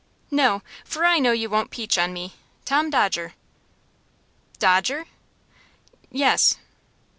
"No; for I know you won't peach on me. Tom Dodger." "Dodger?" "Yes."